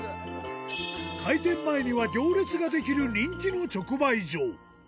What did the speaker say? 開店前には行列が出来る、人気の直売所。